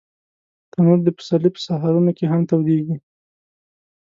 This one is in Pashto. تنور د پسرلي په سهارونو کې هم تودېږي